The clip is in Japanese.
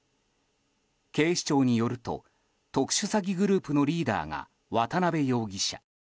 警視庁によると特殊詐欺グループのリーダーが渡邉容疑者。